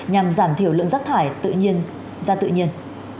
nhằm giảm thiểu lượng rác thải ra tự nhiên